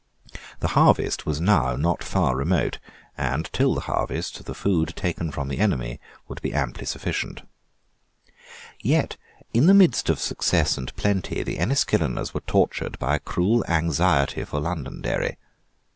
The harvest was now not far remote; and, till the harvest, the food taken from the enemy would be amply sufficient, Yet, in the midst of success and plenty, the Enniskilleners were tortured by a cruel anxiety for Londonderry.